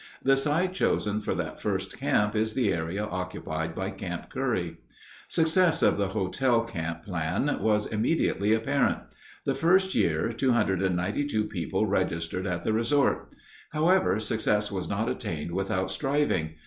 The site chosen for that first camp is the area occupied by Camp Curry. Success of the hotel camp plan was immediately apparent. The first year 292 people registered at the resort. However, success was not attained without striving.